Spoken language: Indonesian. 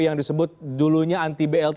yang disebut dulunya anti blt